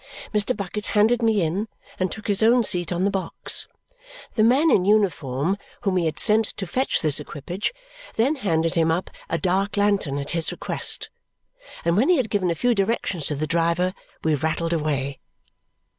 Mr. Bucket handed me in and took his own seat on the box. The man in uniform whom he had sent to fetch this equipage then handed him up a dark lantern at his request, and when he had given a few directions to the driver, we rattled away.